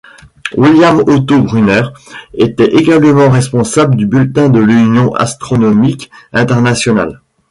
William Otto Brunner était également responsable du Bulletin de l'Union astronomique internationale.